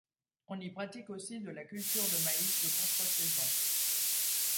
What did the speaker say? On y pratique aussi de la culture de maïs de contre saison.